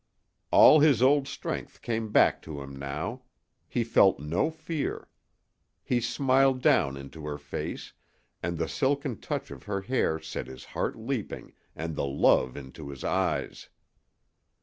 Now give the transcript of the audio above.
All his old strength came back to him now. He felt no fear. He smiled down into her face, and the silken touch of her hair set his heart leaping and the love into his eyes.